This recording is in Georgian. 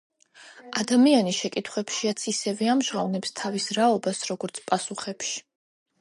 „ადამიანი შეკითხვებშიაც ისევე ამჟღავნებს თავის რაობას, როგორც პასუხებში.”